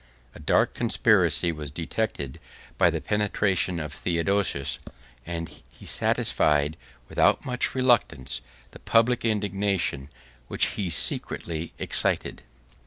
A dark conspiracy was detected by the penetration of Theodosius; and he satisfied, without much reluctance, the public indignation, which he had secretly excited.